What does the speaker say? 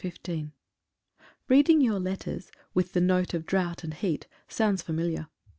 ^jfj EADING your letters, with the note of drought and jSL heat, sounds familiar.